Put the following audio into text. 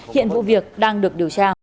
hiện vụ việc đang được điều tra